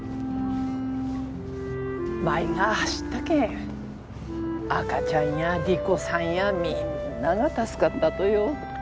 舞が走ったけん赤ちゃんや莉子さんやみんなが助かったとよ。